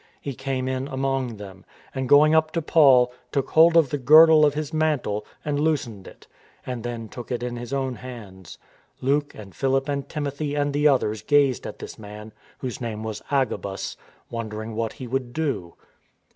He came among them, and, going up to Paul, took hold of the girdle of his mantle, and loosened it, and then took it in his own hands. Luke and Philip and Timothy and the others gazed at this man, whose name was Agabus, wondering what he would do.